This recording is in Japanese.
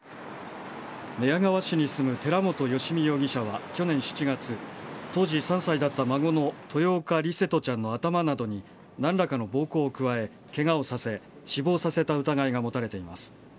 寝屋川市に住む寺本由美容疑者は、去年７月、当時３歳だった孫の豊岡琉聖翔ちゃんの頭などになんらかの暴行を加え、けがをさせ、死亡させた疑いが持たれています。